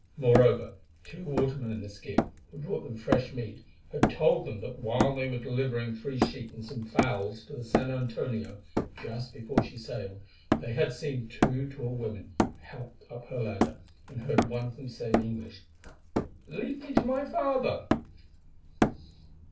Moreover, two watermen in a skiff, who brought them fresh meat, had told them that while they were delivering three sheep and some fowls to the San Antonio, just before she sailed, they had seen two tall women helped up her ladder, and heard one of them say in English, "Lead me to my father."